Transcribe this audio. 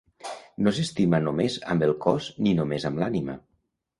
No s'estima només amb el cos ni només amb l'ànima.